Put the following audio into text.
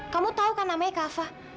kamu tahu kan namanya kava